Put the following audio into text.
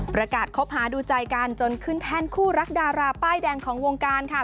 คบหาดูใจกันจนขึ้นแท่นคู่รักดาราป้ายแดงของวงการค่ะ